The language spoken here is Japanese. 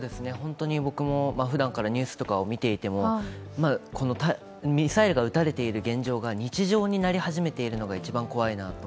僕もふだんからニュースを見ていても、このミサイルが撃たれている現状が日常になり始めていることが一番怖いなと。